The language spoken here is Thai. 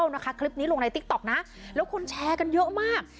นะคะคลิปนี้ลงในติ๊กต๊อกนะแล้วคนแชร์กันเยอะมาก